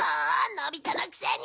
のび太のくせに！